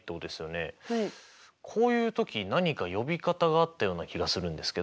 こういう時何か呼び方があったような気がするんですけど。